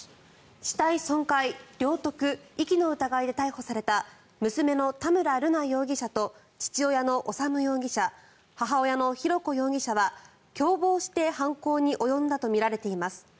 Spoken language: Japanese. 死体損壊、領得遺棄の疑いで逮捕された娘の田村瑠奈容疑者と父親の修容疑者母親の浩子容疑者は共謀して犯行に及んだとみられています。